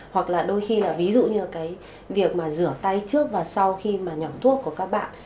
hoặc đôi khi ví dụ như việc rửa tay trước và sau khi nhỏ thuốc của các bạn